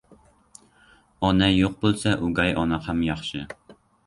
• Ona yo‘q bo‘lsa, o‘gay ona ham yaxshi.